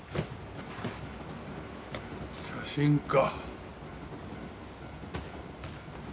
写真か。